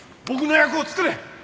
僕の役を作れ。